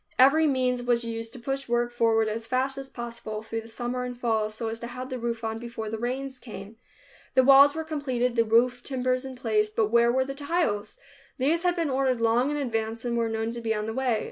Every means was used to push work forward as fast as possible, through the summer and fall, so as to have the roof on before the rains came. The walls were completed, the roof timbers in place, but where were the tiles? These had been ordered long in advance, and were known to be on the way.